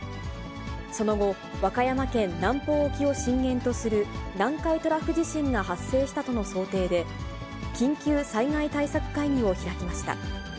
その後、和歌山県南方沖を震源とする南海トラフ地震が発生したとの想定で、緊急災害対策会議を開きました。